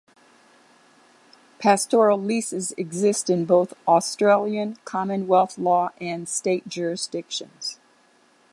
Pastoral leases exist in both Australian commonwealth law and state jurisdictions.